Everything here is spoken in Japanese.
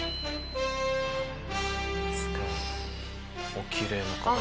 おきれいな方。